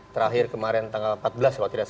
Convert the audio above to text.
terakhir kemarin tanggal empat belas kalau tidak salah